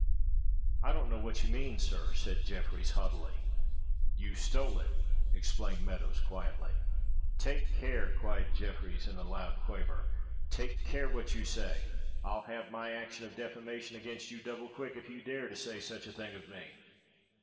"I don't know what you mean, sir," said Jefferies haughtily. "You stole it," explained Meadows quietly. "Take care," cried Jefferies in a loud quaver "Take care what you say! I'll have my action of defamation against you double quick if you dare to say such a thing of me."